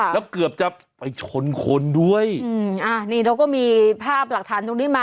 แล้วเกือบจะไปชนคนด้วยอืมอ่านี่เราก็มีภาพหลักฐานตรงนี้มา